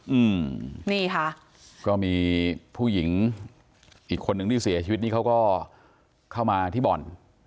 อืมนี่ค่ะก็มีผู้หญิงอีกคนนึงที่เสียชีวิตนี่เขาก็เข้ามาที่บ่อน